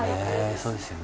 そうですよね。